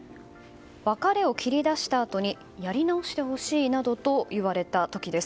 別れを切り出したあとにやり直してほしいなどと言われた時です。